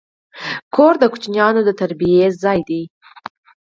کور د ماشومانو د تربیې ځای دی.